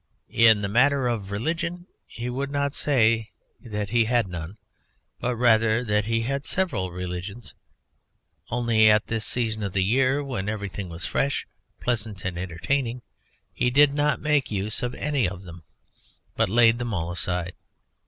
In the matter of religion he would not say that he had none, but rather that he had several religions; only at this season of the year, when everything was fresh, pleasant and entertaining, he did not make use of any of them, but laid them all aside.